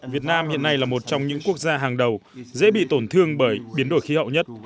việt nam hiện nay là một trong những quốc gia hàng đầu dễ bị tổn thương bởi biến đổi khí hậu nhất